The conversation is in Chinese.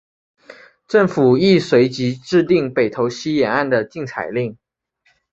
政府亦随即制定北投溪沿岸的禁采令。